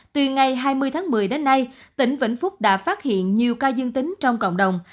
từ ngày hai mươi tháng một mươi đến nay tỉnh vĩnh phúc đã phát hiện nhiều ca dương tính trong cộng đồng